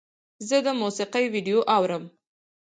زه د موسیقۍ ویډیو اورم.